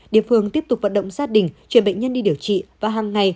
địa phương tiếp tục vận động gia đình chuyển bệnh nhân đi điều trị và hàng ngày